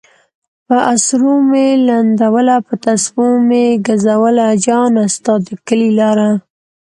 پہ اسرو میی لنڈولہ پہ تسپو میی گزولہ جانہ! ستا د کلی لارہ